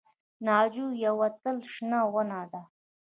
ناجو یوه تل شنه ونه ده